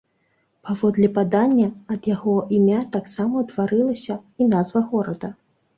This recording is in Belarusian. Паводле падання, ад яго імя таксама ўтварылася і назва горада.